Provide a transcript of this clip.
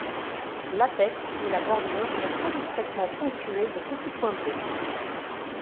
L'apex et la bordure sont très discrètement ponctués de petits points bleus.